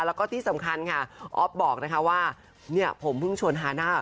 แล้วก็ที่สำคัญค่ะอ๊อฟบอกนะคะว่าเนี่ยผมเพิ่งชวนฮาน่า